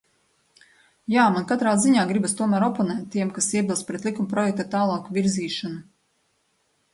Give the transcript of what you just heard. Jā, man katrā ziņā gribas tomēr oponēt tiem, kas iebilst pret likumprojekta tālāku virzīšanu.